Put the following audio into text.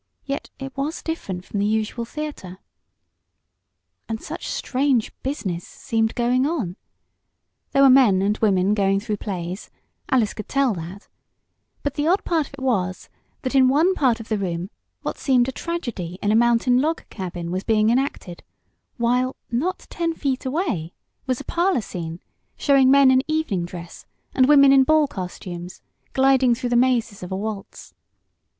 Yet it was different from the usual theatre. And such strange "business" seemed going on. There were men and women going through plays Alice could tell that, but the odd part of it was that in one section of the room what seemed a tragedy in a mountain log cabin was being enacted; while, not ten feet away, was a parlor scene, showing men in evening dress, and women in ball costumes, gliding through the mazes of a waltz.